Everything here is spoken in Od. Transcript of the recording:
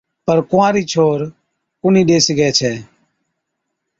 پَر ڪنوارِي ڇوهر ڪونهِي ڏي سِگھَي ڇَي